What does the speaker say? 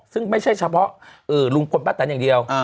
ซึ่งไม่ใช่เฉพาะลุงพลป้าแตนอย่างเดียว